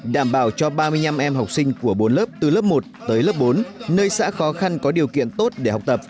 đảm bảo cho ba mươi năm em học sinh của bốn lớp từ lớp một tới lớp bốn nơi xã khó khăn có điều kiện tốt để học tập